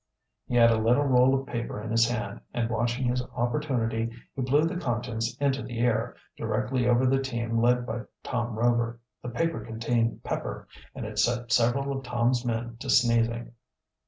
He had a little roll of paper in his hand, and watching his opportunity he blew the contents into the air, directly over the team led by Tom Rover. The paper contained pepper and it set several of Tom's men to sneezing.